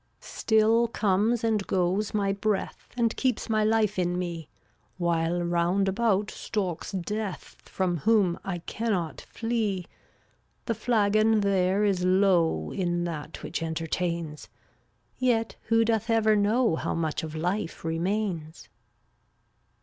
6\m$ (ftttlAI* ^^ comes and goes my breath And keeps my life in me, (JvC/ While round about stalks Death, From whom I cannot flee. The flagon there is low In that which entertains, Yet who doth ever know How much of life remains?